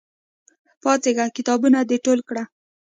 پاڅېږه! کتابونه د ټول کړه!